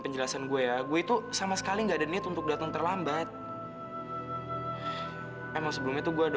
penjelasan gue ya gue itu sama sekali enggak ada niat untuk datang terlambat emang sebelumnya tuh gue udah